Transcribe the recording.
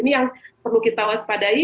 ini yang perlu kita waspadai